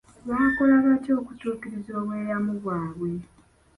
Baakola batya okutuukiriza obweyamu bwabwe?